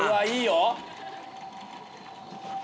いいよ。